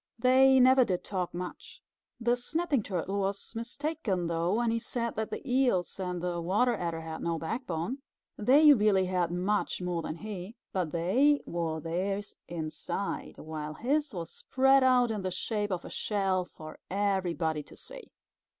They never did talk much. The Snapping Turtle was mistaken though, when he said that the Eels and the Water Adder had no backbone. They really had much more than he, but they wore theirs inside, while his was spread out in the shape of a shell for everybody to see.